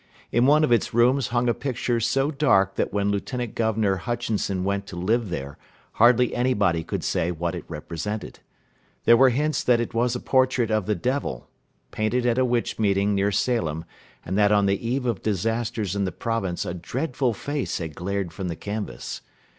In one of its rooms hung a picture so dark that when Lieutenant Governor Hutchinson went to live there hardly anybody could say what it represented. There were hints that it was a portrait of the devil, painted at a witch meeting near Salem, and that on the eve of disasters in the province a dreadful face had glared from the canvas.